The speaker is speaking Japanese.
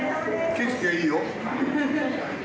景色がいいよ。